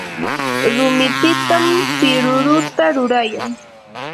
rumipitam piruruta rurayan.